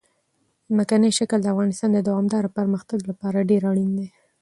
ځمکنی شکل د افغانستان د دوامداره پرمختګ لپاره ډېر اړین دي.